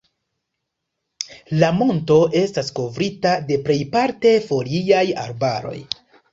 La monto estas kovrita de plejparte foliaj arbaroj.